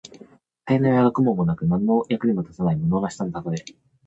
才能や学問もなく、何の役にも立たない無能な人のたとえ。